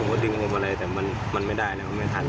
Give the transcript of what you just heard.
แล้วผมก็ดึงมันมาเลยแต่มันไม่ได้นะมันไม่ทัน